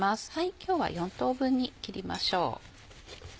今日は４等分に切りましょう。